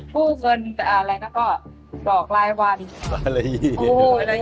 กู้เงินอะไรก็บอกแล้วไว้วัน